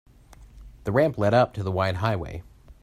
The ramp led up to the wide highway.